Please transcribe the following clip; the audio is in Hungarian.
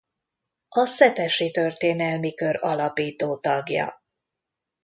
A Szepesi Történelmi Kör alapító tagja.